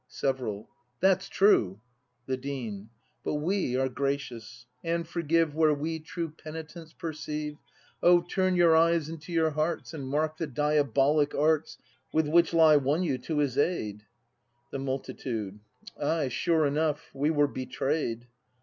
Several, That's true! The Dean. But we are gracious, and forgive Where we true penitence perceive. O, turn your eyes into your hearts And mark the diabolic arts With which he won you to his aid! The Multitude. Ay, sure enough; we were betray 'd!